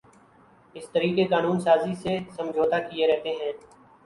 اس طریقِ قانون سازی سے سمجھوتاکیے رہتے ہیں